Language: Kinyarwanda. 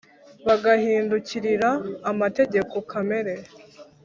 bagahindukirira amategeko kamere.